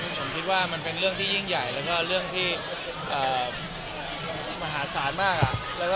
ผมคิดว่ามันเป็นเรื่องที่ยิ่งใหญ่แล้วก็เรื่องที่มหาศาลมาก